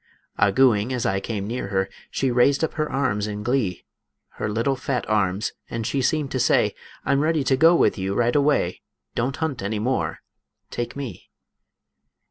Ah gooing as I came near her, She raised up her arms in glee Her little fat arms and she seemed to say, "I'm ready to go with you right away; Don't hunt any more take me."